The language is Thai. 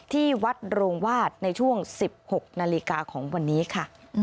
ที่วัดโรงวาดในช่วง๑๖นาฬิกาของวันนี้ค่ะ